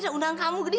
oh pak ngajanku ini